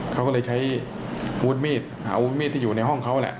เขาก็เลยใช้อาวุธมีดเอามีดที่อยู่ในห้องเขาแหละ